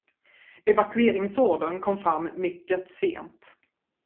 Evakueringsordern kom fram mycket sent.